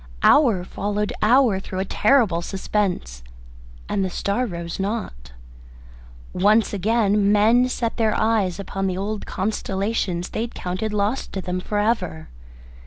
Hour followed hour through a terrible suspense, and the star rose not. Once again men set their eyes upon the old constellations they had counted lost to them for ever.